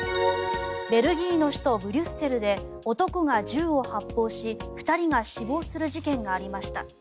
ベルギーの首都ブリュッセルで男が銃を発砲し２人が死亡する事件がありました。